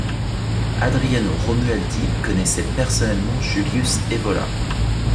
Adriano Romualdi connaissait personnellement Julius Evola.